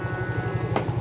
aku gila tempatnya